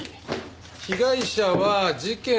被害者は事件